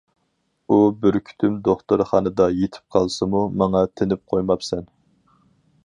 ئۇ بۈركۈتۈم دوختۇرخانىدا يېتىپ قالسىمۇ ماڭا تىنىپ قويماپسەن.